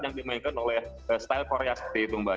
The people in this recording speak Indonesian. yang dimainkan oleh style korea seperti itu mbak